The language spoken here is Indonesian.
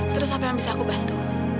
terus apa yang bisa aku bantu